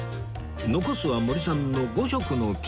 残すは森さんの５色の金魚